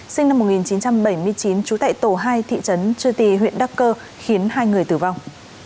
sinh năm một nghìn chín trăm bảy mươi chín trú tại tổ hai thị trấn chư tì huyện đắc cơ khiến hai người tử vong